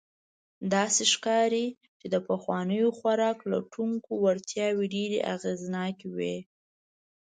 داسې ښکاري، چې د پخوانیو خوراک لټونکو وړتیاوې ډېر اغېزناکې وې.